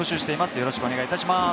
よろしくお願いします。